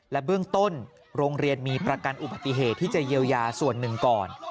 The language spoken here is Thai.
และเบื้องต้นโรงเรียนมีประกันอุบัติเหตุที่จะเยียวยาส่วนหนึ่งก่อน